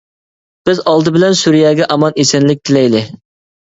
بىز ئالدى بىلەن سۈرىيەگە ئامان-ئېسەنلىك تىلەيلى.